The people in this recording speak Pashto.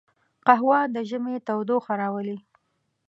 قهوه د ژمي تودوخه راولي